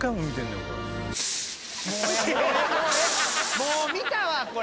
もう見たわこれ！